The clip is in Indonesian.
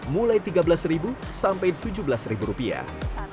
mulai tiga belas ribu sampai tujuh belas ribu rupiah